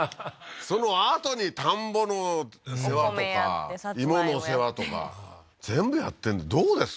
そのあとに田んぼの世話とか芋の世話とか全部やってどうです？